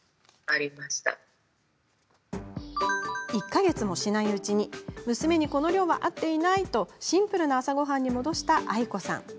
１か月もしないうちに娘に、この量は合っていないとシンプルな朝ごはんに戻した愛子さん。